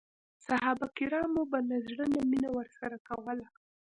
صحابه کرامو به له زړه نه مینه ورسره کوله.